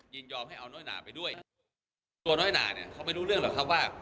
ยินยอมให้เอาน้อยหนาไปด้วยตัวน้อยหนาเนี่ยเขาไม่รู้เรื่องหรอกครับว่า